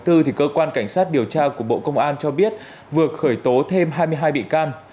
cơ quan cảnh sát điều tra của bộ công an cho biết vừa khởi tố thêm hai mươi hai bị can